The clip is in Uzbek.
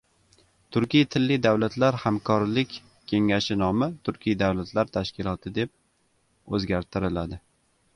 Turkiy tilli davlatlar hamkorlik kengashi nomi Turkiy davlatlar tashkiloti deb o‘zgartiriladi